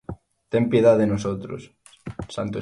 ten piedad de nosotros.